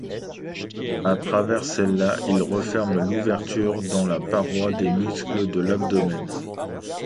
À travers celle-là, il referme l'ouverture dans la paroi des muscles de l'abdomen.